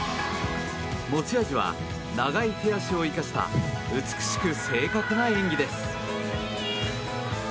持ち味は長い手足を生かした美しく、正確な演技です。